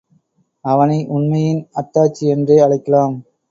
அவனை உண்மையின் அத்தாட்சி, என்றே அழைக்கலாம்.